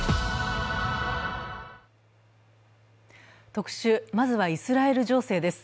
特集、まずはイスラエル情勢です。